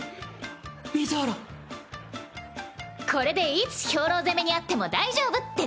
これでいつ兵糧攻めに遭っても大丈夫ってね。